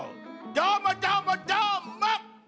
どーもどーもどーもっ！